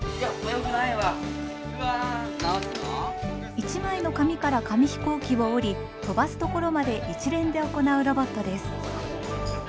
一枚の紙から紙ヒコーキを折り飛ばすところまで一連で行うロボットです。